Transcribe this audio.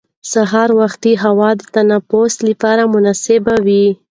سهار وختي هوا د تنفس لپاره مناسبه وي